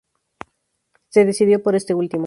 Se decidió por este último.